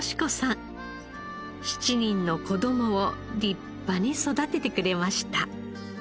７人の子供を立派に育ててくれました。